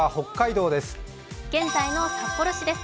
現在の札幌市です。